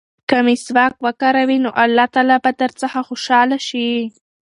که مسواک وکاروې نو الله تعالی به درڅخه خوشحاله شي.